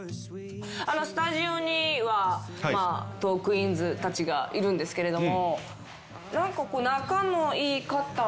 スタジオにはトークィーンズたちがいるんですけれども。